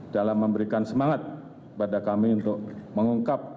dalam memberikan semangat kepada kami untuk mengungkap